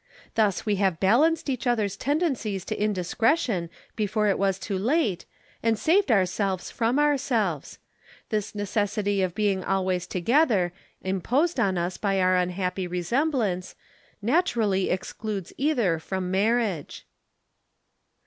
Thus have we balanced each other's tendencies to indiscretion before it was too late, and saved ourselves from ourselves. This necessity of being always together, imposed on us by our unhappy resemblance, naturally excludes either from marriage."